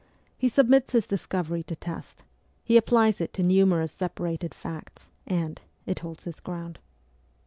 He submits his discovery to test, he applies it to numerous separated facts, and it holds its ground.